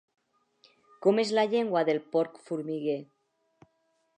Com és la llengua del porc formiguer?